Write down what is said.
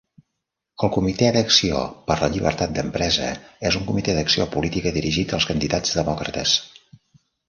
El Comitè d'Acció per la Llibertat d'Empresa és un comitè d'acció política dirigit als candidats demòcrates.